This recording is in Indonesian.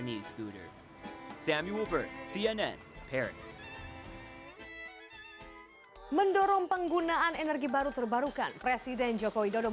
keputusan yang paling penting yang saya miliki untuk berkembang di atas skuter ini